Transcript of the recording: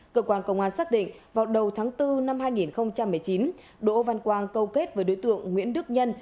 cơ quan công an xác định vào đầu tháng bốn năm hai nghìn một mươi chín đỗ văn quang câu kết với đối tượng nguyễn đức nhân